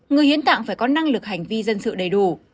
người hiến tạng phải có năng lực hành vi dân sự đầy đủ